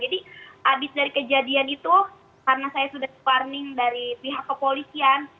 jadi habis dari kejadian itu karena saya sudah sparning dari pihak kepolisian